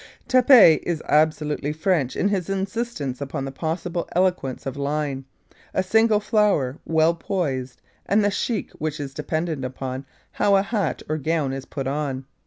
Tappé is absolutely French in his insistence upon the possible eloquence of line; a single flower well poised and the chic which is dependent upon how a hat or gown is put on.